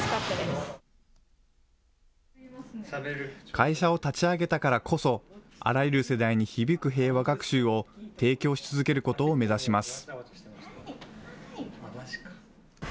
会社を立ち上げたからこそ、あらゆる世代に響く平和学習を提供し続けることを目指します。